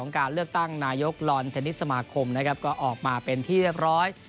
การเลือกตั้งนายกลอนเทนนิสสมาคมนะครับก็ออกมาเป็นที่เรียบร้อย